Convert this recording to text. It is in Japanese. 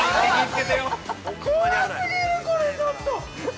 ◆怖過ぎる、これちょっと。